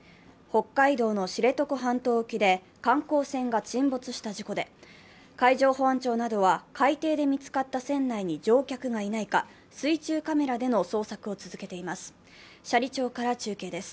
北海道の知床半島沖で観光船が沈没した事故で海上保安庁などは、海底で見つかった船内に乗客がいないか水中カメラでの捜索を続けています。